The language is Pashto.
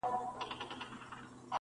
سلامونه سهار مو ګلورین-